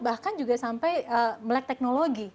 bahkan juga sampai melek teknologi